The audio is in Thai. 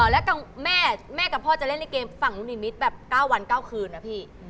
แล้วแม่กับพ่อจะเล่นในเกมฝั่งลูกนิมิตรแบบ๙วัน๙คืนนะพี่